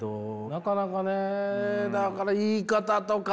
なかなかねだから言い方とか。